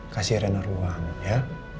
kasih rena ruang ya